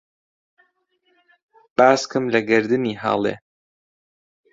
باسکم له گهردنی هاڵێ